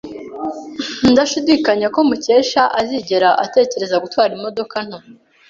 Ndashidikanya ko Mukesha azigera atekereza gutwara imodoka nto.